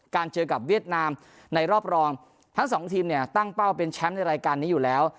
เจอกับเวียดนามในรอบรองทั้งสองทีมเนี่ยตั้งเป้าเป็นแชมป์ในรายการนี้อยู่แล้ว